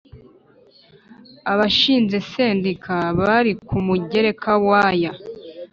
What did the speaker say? Abashinze Sendika bari ku mugereka w aya